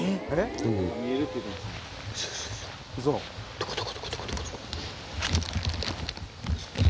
どこどこ？